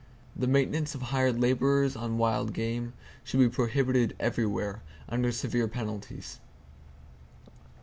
The maintenance of hired laborers on wild game should be prohibited everywhere, under severe penalties.